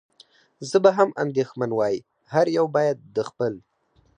زه به هم اندېښمن وای، هر یو باید د خپل.